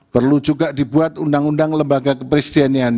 perlu juga dibuat undang undang lembaga kepresidenan